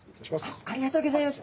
あっありがとうギョざいます。